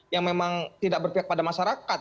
yang memang tidak berpihak pada masyarakat